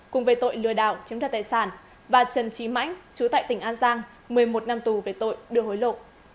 cùng về tội lừa đảo chiếm đoạt tài sản và trần trí mãnh chú tại tỉnh an giang một mươi một năm tù về tội đưa hối lộ